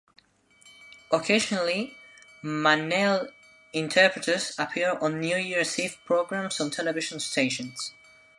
Occasionally, manele interpreters appear on New Year's Eve programs on television stations.